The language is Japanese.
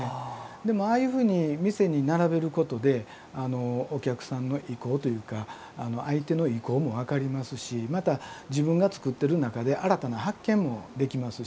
でもああいうふうに店に並べることでお客さんの意向というか相手の意向も分かりますしまた自分が作ってる中で新たな発見もできますし。